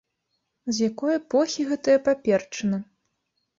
З якой эпохі гэтая паперчына?